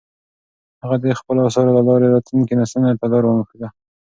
هغه د خپلو اثارو له لارې راتلونکو نسلونو ته لار وښوده.